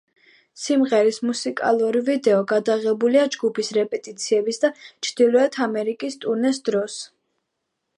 სიმღერის მუსიკალური ვიდეო გადაღებულია ჯგუფის რეპეტიციების და ჩრდილოეთ ამერიკის ტურნეს დროს.